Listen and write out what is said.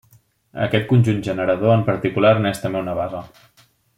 Aquest conjunt generador en particular n'és també una base.